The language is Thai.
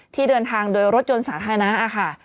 ที่เดินทางโดยรถยนต์สาธารณะค่ะ